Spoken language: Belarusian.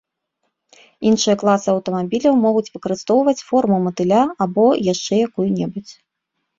Іншыя класы аўтамабіляў могуць выкарыстоўваць форму матыля або яшчэ якую-небудзь.